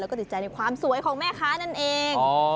แล้วก็ติดใจในความสวยของแม่ค้านั่นเอง